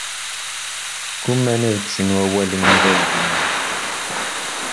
Ggumaan ad kksen wawalen i as-d-yenna.